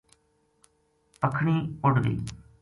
پکھنی اُڈ گئی